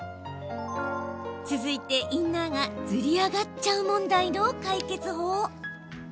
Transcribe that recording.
続いて、インナーがずり上がっちゃう問題の解決法。